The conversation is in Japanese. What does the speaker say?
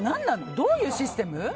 どういうシステム？